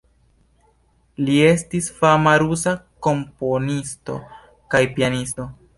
Li estis fama rusa komponisto kaj pianisto.